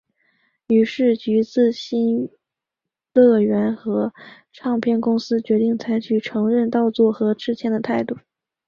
于是橘子新乐园和唱片公司决定采取承认盗作和致歉的态度。